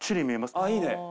あ、いいね。